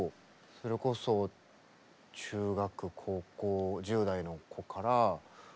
それこそ中学高校１０代の子からおじいちゃん